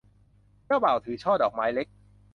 เจ้าบ่าวถือช่อดอกไม้เล็ก